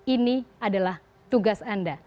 ini adalah tugas anda